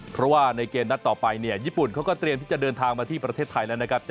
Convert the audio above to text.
เพราะว่าในเกมนัดต่อไปเนี่ยญี่ปุ่นเขาก็เตรียมที่จะเดินทางมาที่ประเทศไทยแล้วนะครับ